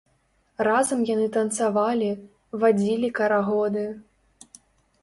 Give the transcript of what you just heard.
Разам яны танцавалі, вадзілі карагоды.